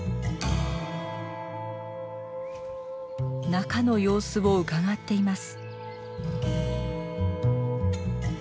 中の様子をうかがっています。